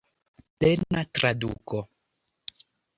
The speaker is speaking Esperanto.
Plena traduko.